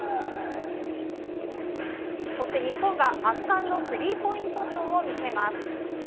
そして日本が圧巻のスリーポイントショーを見せます。